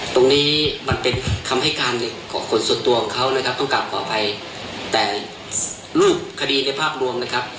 ตรงนี้มันเป็นคำให้การหนึ่งของคนส่วนตัวของเขานะครับต้องกลับขออภัยแต่รูปคดีในภาพรวมนะครับ